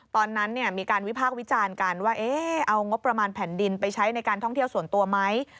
ตอนนั้นมีการวิพากษ์วิจารณ์กันว่าเอางบประมาณแผ่นดินไปใช้ในการท่องเที่ยวส่วนตัวไหม